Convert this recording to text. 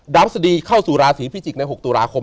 ดาวพระราชดีเข้าสู่ราศรีพิจิกใน๖ตุลาคม